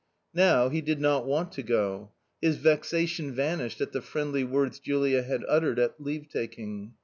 Now he did not want to go. His vexation vanished at the friendly words Julia had uttered at leave taking.